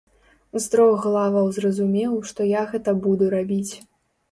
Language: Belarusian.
З трох главаў зразумеў, што я гэта буду рабіць.